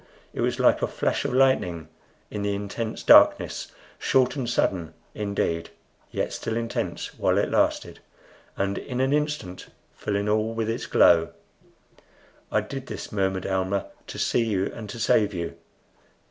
It was like a flash of lightning in the intense darkness, short and sudden indeed, yet still intense while it lasted, and in an instant filling all with its glow. "I did this," murmured Almah, "to see you and to save you."